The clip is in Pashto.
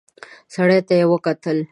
سړي ته يې وکتل.